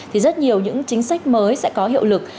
thì rất nhiều những chính sách mới sẽ có hiệu lực